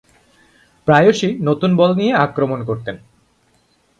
প্রায়শঃই নতুন বল নিয়ে আক্রমণ করতেন।